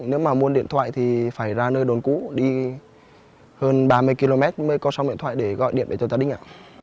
nếu mà mua điện thoại thì phải ra nơi đồn cũ đi hơn ba mươi km mới có sóng điện thoại để gọi điện để cho gia đình ạ